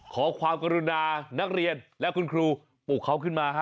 ขอความกรุณานักเรียนและคุณครูปเขาขึ้นมาฮะ